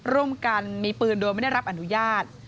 ร่วมกันมีปืนโดยไม่ได้รับอนุญาต